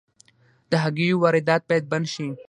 د هګیو واردات باید بند شي